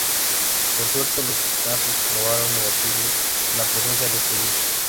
Por suerte, los casos probaron negativo la presencia de este virus.